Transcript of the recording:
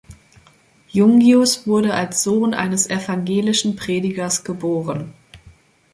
Jungius wurde als Sohn eines evangelischen Predigers geboren.